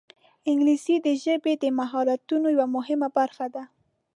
انګلیسي د ژبې د مهارتونو یوه مهمه برخه ده